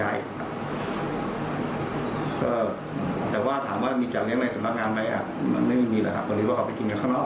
ไม่มีหรอกครับก็เลยว่าเขาไปกินอย่างข้างนอก